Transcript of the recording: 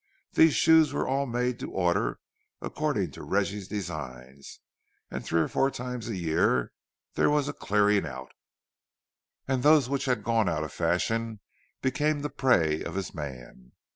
These shoes were all made to order according to Reggie's designs, and three or four times a year there was a cleaning out, and those which had gone out of fashion became the prey of his "man."